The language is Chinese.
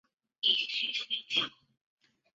殿试登进士第二甲第三名。